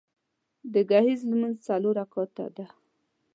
د ګهیځ لمونځ څلور رکعته ده